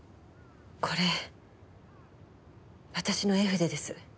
これ私の絵筆です。